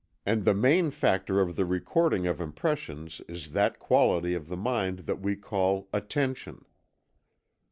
And the main factor of the recording of impressions is that quality of the mind that we call Attention.